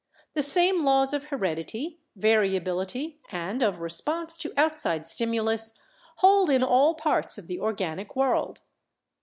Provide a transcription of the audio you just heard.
The same laws of heredity, variability and of response to outside stimulus hold in all parts of the organic world.